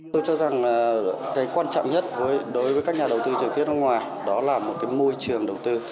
tôi cho rằng cái quan trọng nhất đối với các nhà đầu tư trực tiếp nước ngoài đó là một cái môi trường đầu tư